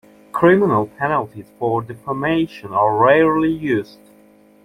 Criminal penalties for defamation are rarely used.